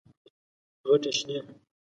غټي شنې،